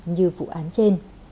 như vụ án trên